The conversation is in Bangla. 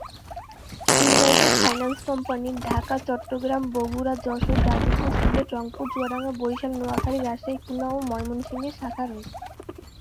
ইউনাইটেড ফাইন্যান্স কোম্পানির ঢাকা, চট্টগ্রাম, বগুড়া, যশোর, গাজীপুর, সিলেট, রংপুর, চুয়াডাঙ্গা, বরিশাল, নোয়াখালী, রাজশাহী, খুলনা ও ময়মনসিংহে শাখা রয়েছে।